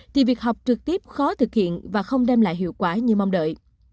thì việc học trực tiếp khó thực hiện và không đem lại hiệu quả như mong đợi